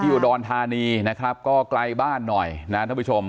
ที่อุโดรนทานีก็ไกลบ้านหน่อยท่านผู้ชม